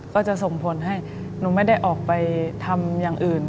ก็จะส่งผลให้หนูไม่ได้ออกไปทำอย่างอื่น